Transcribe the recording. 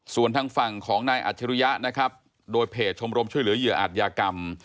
ส่วนทางฝั่งของนายอัจฉริยะนะครับโดยเพจชมรมช่วยเหลือเหยื่ออัตยากรรม